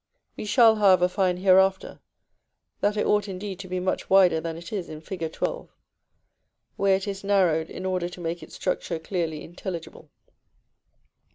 We shall, however, find hereafter, that it ought indeed to be much wider than it is in Fig. XII., where it is narrowed in order to make its structure clearly intelligible.